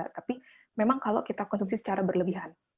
tapi memang kalau kita konsumsi secara berlebihan